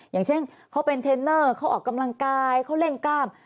อย่างเช่นเขาเป็นเทรนเนอร์เขาออกกำลังกายเขาเล่นกล้าม